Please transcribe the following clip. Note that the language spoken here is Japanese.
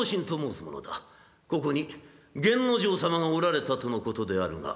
ここに源之丞様がおられたとのことであるが」。